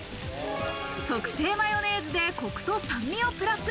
特製マヨネーズでコクと酸味をプラス。